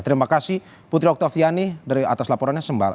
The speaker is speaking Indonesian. terima kasih putri oktaviani dari atas laporannya